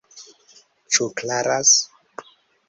Ĉu klaras?